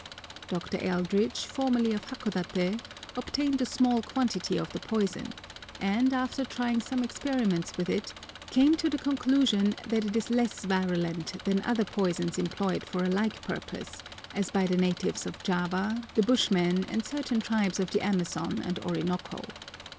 [Picture: Weaver's Shuttle] Dr. Eldridge, formerly of Hakodaté, obtained a small quantity of the poison, and, after trying some experiments with it, came to the conclusion that it is less virulent than other poisons employed for a like purpose, as by the natives of Java, the Bushmen, and certain tribes of the Amazon and Orinoco.